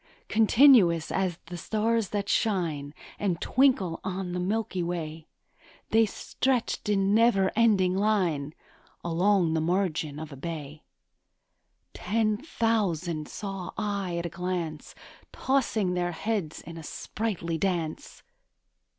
Continuous as the stars that shine And twinkle on the milky way, They stretched in never ending line Along the margin of a bay; Ten thousand saw I at a glance, Tossing their heads in sprightly dance.